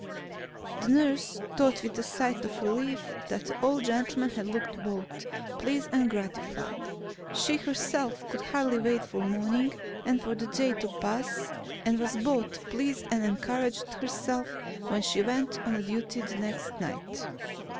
The nurse thought with a sigh of relief that the old gentleman had looked both pleased and gratified. She herself could hardly wait for morning, and for the day to pass, and was both pleased and encouraged herself when she went on duty the next night.